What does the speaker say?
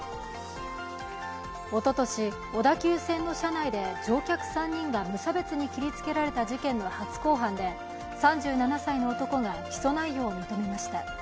おととし小田急線の車内で、乗客３人が無差別に切りつけられた事件の初公判で３７歳の男が起訴内容を認めました。